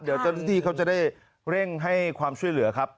เดี๋ยวเจ้าหน้าที่เขาจะได้เร่งให้ความช่วยเหลือครับ